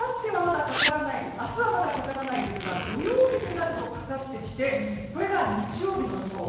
明日はまだかからないんですが土曜日になるとかかってきてこれが日曜日の予想。